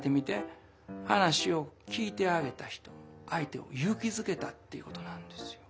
話を聞いてあげた人相手を勇気づけたっていうことなんですよ。